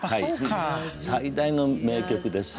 最大の名曲です。